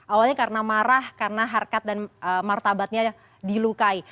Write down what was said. awalnya karena marah karena harkat dan martabatnya dilukai